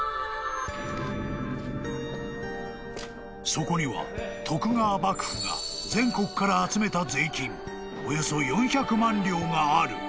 ［そこには徳川幕府が全国から集めた税金およそ４００万両がある］